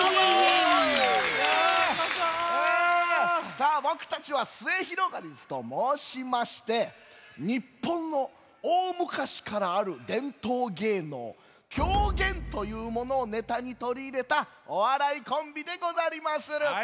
さあぼくたちはすゑひろがりずともうしましてにっぽんのおおむかしからあるでんとうげいのう狂言というものをネタにとりいれたおわらいコンビでござりまする。